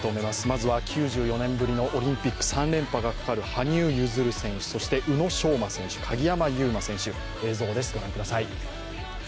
まずは、９４年ぶりのオリンピック３連覇がかかる羽生結弦選手、そして宇野昌磨選手、鍵山優真選手映像です。